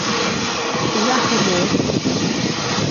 زخم و.